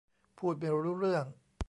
พูดไม่รู้เรื่อง